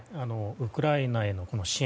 ウクライナへの支援